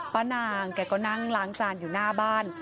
ป้านางแกก็นั่งล้างจานอยู่หน้าบ้าน